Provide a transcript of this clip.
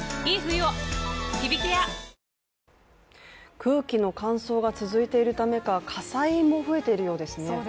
空気の乾燥が続いているためか火災も増えているようですね。